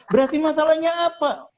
berarti masalahnya apa